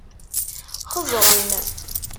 Xeẓẓren.